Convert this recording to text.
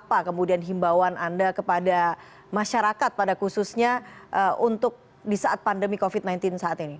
apa kemudian himbauan anda kepada masyarakat pada khususnya untuk di saat pandemi covid sembilan belas saat ini